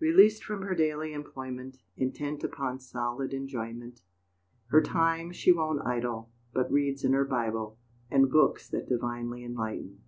Released from her daily employment, Intent upon solid enjoyment, Her time she won't idle, But reads in her Bible, And books that divinely enlighten.